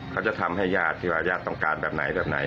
เขาจะทำให้ญาติที่ว่าญาติต้องการแบบไหนแบบไหน